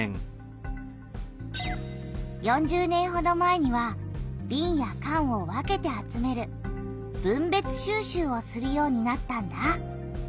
４０年ほど前にはびんやかんを分けて集める「分別収集」をするようになったんだ。